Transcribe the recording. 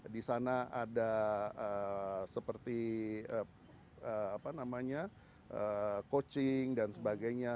di sana ada seperti apa namanya coaching dan sebagainya